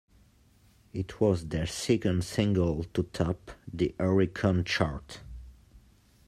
It was their second single to top the Oricon chart.